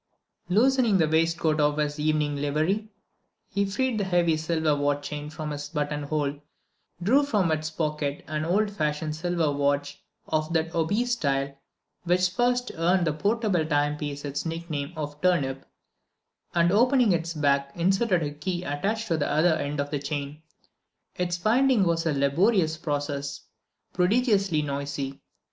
Loosening the waistcoat of his evening livery, he freed the heavy silver watchchain from its buttonhole, drew from its pocket an old fashioned silver watch of that obese style which first earned the portable timepiece its nickname of "turnip," and opening its back inserted a key attached to the other end of the chain. Its winding was a laborious process, prodigiously noisy.